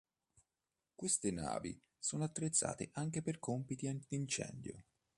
Queste navi sono attrezzate anche per compiti antincendio.